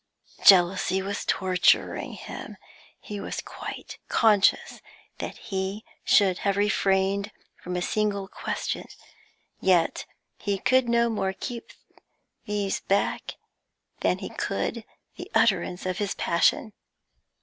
Jealousy was torturing him. He was quite conscious that he should have refrained from a single question, yet he could no more keep these back than he could the utterance of his passion.